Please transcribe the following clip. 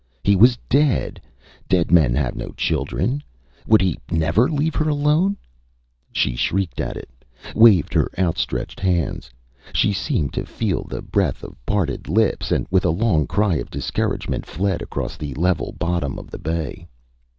He was dead. Dead men have no children. Would he never leave her alone? She shrieked at it waved her outstretched hands. She seemed to feel the breath of parted lips, and, with a long cry of discouragement, fled across the level bottom of the bay.